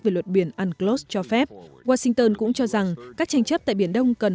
về luật biển unclos cho phép washington cũng cho rằng các tranh chấp tại biển đông cần